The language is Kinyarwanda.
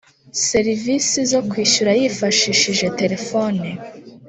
serivisi zo kwishyura yifashishije telephone